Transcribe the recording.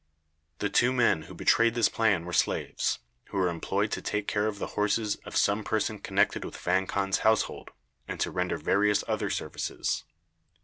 The two men who betrayed this plan were slaves, who were employed to take care of the horses of some person connected with Vang Khan's household, and to render various other services.